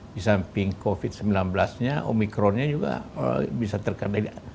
tapi covid sembilan belas nya unikron nya juga bisa terkendali